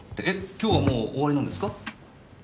今日はもう終わりなんですか？